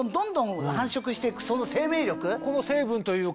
この成分というか。